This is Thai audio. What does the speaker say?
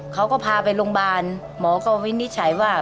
ไปโรงพยาบาลหมอก็วินิจฉัยว่า